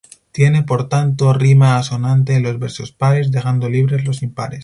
Tiene, por tanto, rima asonante en los versos pares, dejando libres los impares.